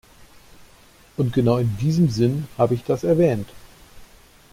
Und genau in diesem Sinn habe ich das erwähnt.